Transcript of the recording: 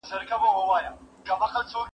هغه څوک چي ږغ اوري پام کوي!.